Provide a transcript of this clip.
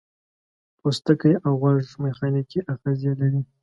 پوستکی او غوږ میخانیکي آخذې لري.